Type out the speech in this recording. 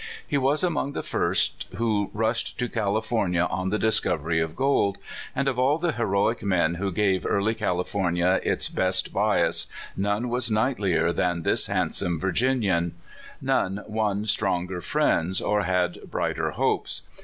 He was among the first who rushed to California on the discovery of gold, and of all the heroic men who gave early California its best bias none was knightlier than this handsome Virginian; LONE MOUNTAIN, 85 none won stronger friends, or had brighter hopes.